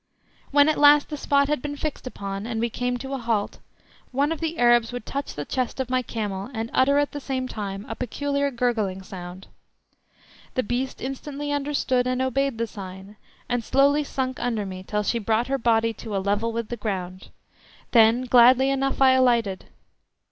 When at last the spot had been fixed upon and we came to a halt, one of the Arabs would touch the chest of my camel and utter at the same time a peculiar gurgling sound. The beast instantly understood and obeyed the sign, and slowly sunk under me till she brought her body to a level with the ground, then gladly enough I alighted.